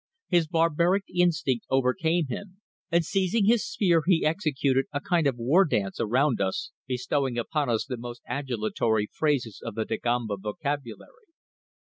His barbaric instinct overcame him, and seizing his spear he executed a kind of war dance around us, bestowing upon us the most adulatory phrases of the Dagomba vocabulary.